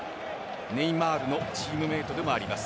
ネイマールのチームメートでもあります。